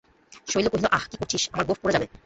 শৈল কহিল, আঃ, কী করছিস, আমার গোঁফ পড়ে যাবে।